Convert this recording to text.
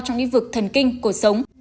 trong lĩnh vực thần kinh cột sống